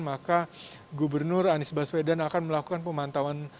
maka gubernur anies baswedan akan melakukan pemantauan